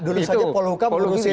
dulu saja polhuka merusih